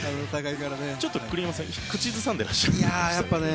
ちょっと栗山さん口ずさんでいらっしゃいましたね。